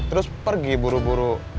terus pergi buru buru